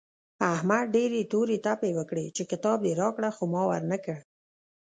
احمد ډېرې تورې تپې وکړې چې کتاب دې راکړه خو ما ور نه کړ.